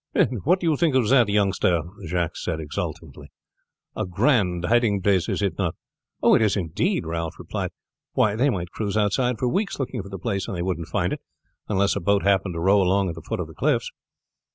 "What do you think of that, youngster?" Jacques said exultantly. "A grand hiding place is it not?" "It is indeed," Ralph replied. "Why, they might cruise outside for weeks looking for the place and they wouldn't find it, unless a boat happened to row along at the foot of the cliffs."